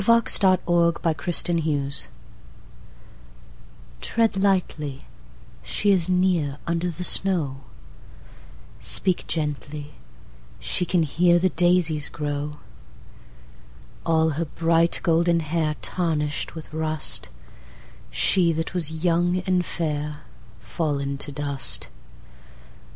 1920. Oscar Wilde1856–1900 Requiescat TREAD lightly, she is nearUnder the snow, Speak gently, she can hearThe daisies grow. All her bright golden hairTarnished with rust, She that was young and fairFallen to dust.